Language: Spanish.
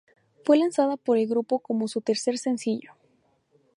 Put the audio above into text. Fue lanzada por el grupo como su tercer sencillo.